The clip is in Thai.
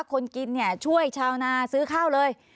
คนกินเนี่ยช่วยชาวนาซื้อข้าวเลย